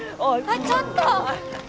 あっちょっと！